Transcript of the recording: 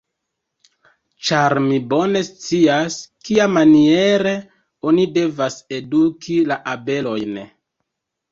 Ĉar mi bone scias, kiamaniere oni devas eduki la abelojn.